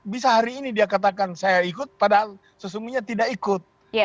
bisa hari ini dia katakan saya ikut padahal sesungguhnya tidak ikut